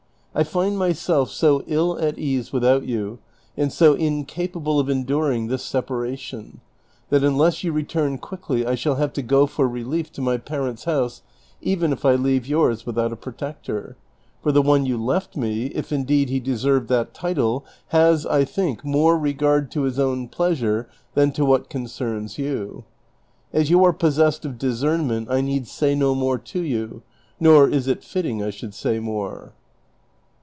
I find myself so ill at ease without you, and so inca pable of enduring this separation, that unless you return quickly I shall have to go for relief to my parents' house, even if I leave yours without a protector; for the one you left me, if indeed he deserved that title, has, I think, more regard to his own pleasure than to what concerns you ; as you are possessed of discernment I need say no more to you, nor is it fitting I should say more."